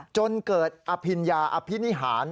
จนเกิดอภิญญาอภินิหาร